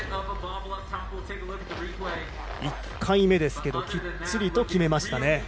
１回目ですがきっちり決めましたね。